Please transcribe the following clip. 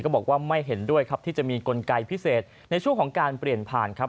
บอกว่าไม่เห็นด้วยครับที่จะมีกลไกพิเศษในช่วงของการเปลี่ยนผ่านครับ